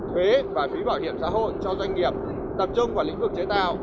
thuế và phí bảo hiểm xã hội cho doanh nghiệp tập trung vào lĩnh vực chế tạo